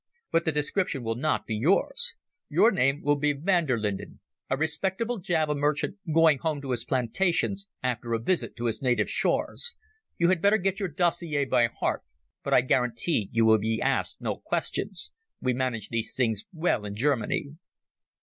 But the description will not be yours. Your name will be Van der Linden, a respectable Java merchant going home to his plantations after a visit to his native shores. You had better get your dossier by heart, but I guarantee you will be asked no questions. We manage these things well in Germany."